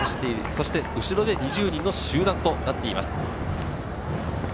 そして後ろに２０人の集団となっています。